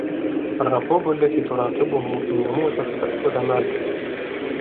الرَّقُوبُ الَّتِي تُرَاقِبُهُ أَنْ يَمُوتَ فَتَأْخُذَ مَالَهُ